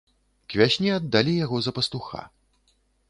К вясне аддалі яго за пастуха.